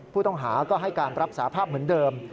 ผู้ต้องหาก็ให้การรับสาภาพเหมือนเดิม